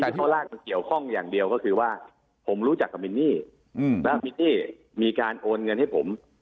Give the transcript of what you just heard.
แต่ข้อแรกมันเกี่ยวข้องอย่างเดียวก็คือว่าผมรู้จักกับมินนี่แล้วมินนี่มีการโอนเงินให้ผม